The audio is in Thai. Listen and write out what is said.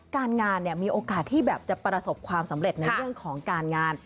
การงานมีโอกาสที่แบบจะประสบความสำเร็จในเรื่องของการงาน